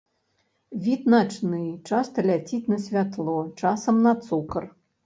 Від начны, часта ляціць на святло, часам на цукар.